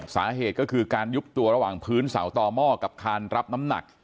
สาเหตุก็คือการยุบตัวระหว่างพื้นเสาต่อหม้อกับคานรับน้ำหนัก